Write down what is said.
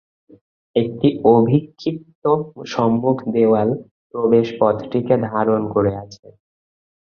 একটি অভিক্ষিপ্ত সম্মুখ দেয়াল প্রবেশ পথটিকে ধারণ করে আছে।